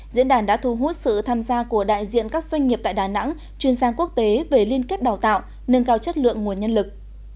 diễn đàn đã thu hút sự tham gia của đại diện các doanh nghiệp tại đà nẵng chuyên gia quốc tế về liên kết đào tạo nâng cao chất lượng nguồn nhân lực